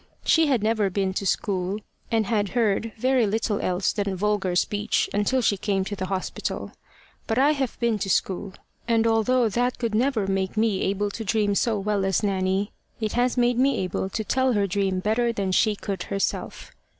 She had never been to school, and had heard very little else than vulgar speech until she came to the hospital. But I have been to school, and although that could never make me able to dream so well as Nanny, it has made me able to tell her dream better than she could herself.